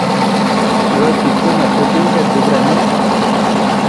Wawkikuna kutinlla tikramun